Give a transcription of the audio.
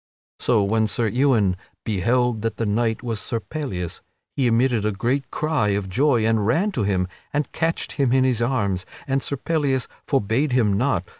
So when Sir Ewain beheld that the knight was Sir Pellias he emitted a great cry of joy and ran to him and catched him in his arms, and Sir Pellias forbade him not.